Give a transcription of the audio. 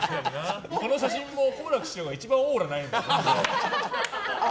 この写真も好楽師匠が一番オーラないもんな。